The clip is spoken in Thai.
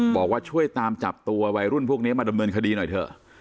บอกว่าช่วยตามจับตัววัยรุ่นพวกนี้มาดำเนินคดีหน่อยเถอะ